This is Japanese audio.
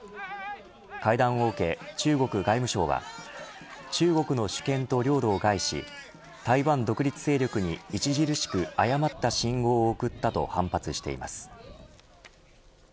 会談を受け中国外務省は中国の主権と領土を害し台湾独立勢力に著しく誤った信号を送ったと反発しています。